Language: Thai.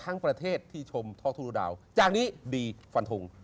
ทั้งประเทศที่ชมท่อทุรดาวจากนี้ดีฝันทง